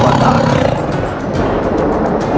ujang kembar sedang menghapus